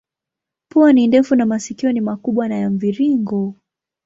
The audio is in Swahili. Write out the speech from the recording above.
Pua ni ndefu na masikio ni makubwa na ya mviringo.